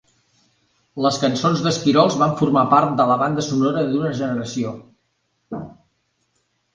Les cançons d'Esquirols van formar part de la banda sonora d'una generació.